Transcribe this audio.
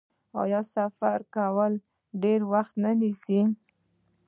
آیا سفر کول ډیر وخت نه نیسي؟